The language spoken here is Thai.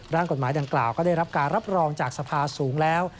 กฎหมายดังกล่าวก็ได้รับการรับรองจากสภาสูงแล้ว